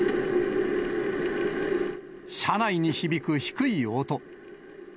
車内に響く低い音。